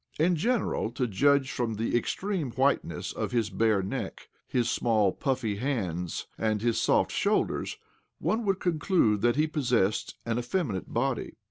In general, to judge from the extreme whiteness of his bare neck, his small, puffy hands, and his soft shoulders, one would conclude that he possessed an effeminate body.